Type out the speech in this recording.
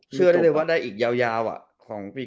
เชื่อได้เลยว่าได้อีกยาวของปี๒๕